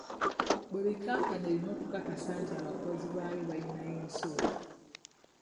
Buli kampuni erina okukakasa nti abakozi baayo bayina yinsuwa.